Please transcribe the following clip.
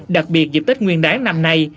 đặc biệt dịp tích nguyên đáng năm nay